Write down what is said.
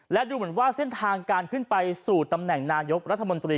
และดูเหมือนว่าเส้นทางการขึ้นไปสู่ตำแหน่งนายกรัฐมนตรี